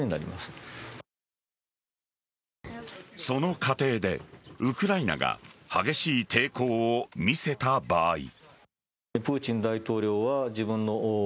その過程でウクライナが激しい抵抗を見せた場合。